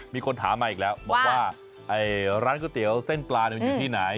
มีคนถามมาอีกแล้วบอกว่าร้านก๋วยเตี๋ยวเส้นปลามันอยู่ที่ไหน